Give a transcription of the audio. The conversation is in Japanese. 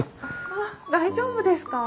あっ大丈夫ですか？